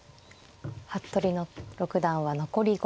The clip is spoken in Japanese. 服部六段は残り５分